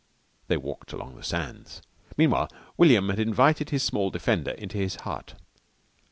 They walked along the sands. Meanwhile William had invited his small defender into his hut.